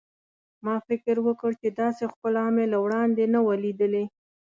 ما فکر وکړ چې داسې ښکلا مې له وړاندې نه وه لیدلې.